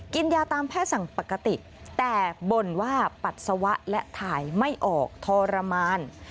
กินยาตามแพทย์สั่งปกติแต่บ่นว่าปัสสาวะและถ่ายไม่ออกทรมาน